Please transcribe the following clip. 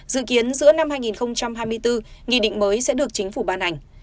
dự kiến giữa năm hai nghìn hai mươi bốn nghị định mới sẽ được chính phủ ban hành